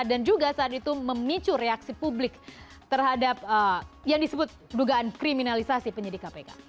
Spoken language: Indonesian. dan juga saat itu memicu reaksi publik terhadap yang disebut dugaan kriminalisasi penyidik kpk